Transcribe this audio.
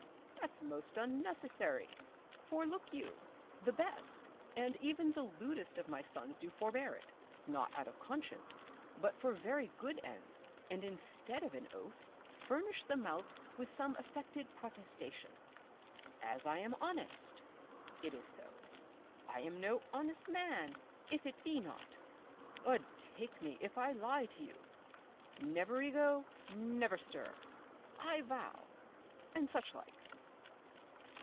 _ That's most unnecessary, for look you, the best, and even the lewdest of my sons do forbear it, not out of conscience, but for very good ends, and instead of an oath, furnish the mouth with some affected protestation. As I am honest! it is so. I am no honest man! if it be not. 'Ud take me! if I lie to you. Nev'rigo! nev'rstir! I vow! and such like.